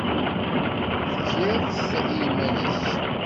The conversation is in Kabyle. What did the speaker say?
Tgiḍ-t i yiman-nnek?